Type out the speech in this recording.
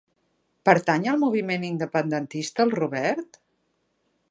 Pertany al moviment independentista el Robert?